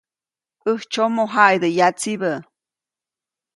‒ʼÄjtsyomo jaʼidä yatsibä-.